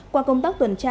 qua công tác tuần tra